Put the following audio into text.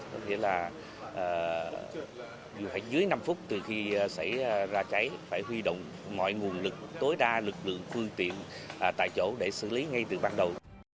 tức là dù phải dưới năm phút từ khi xảy ra cháy phải huy động mọi nguồn lực tối đa lực lượng phương tiện tại chỗ để xử lý ngay từ bắt đầu